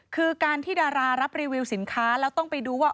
คือการที่ดารารับรีวิวสินค้าแล้วต้องไปดูว่า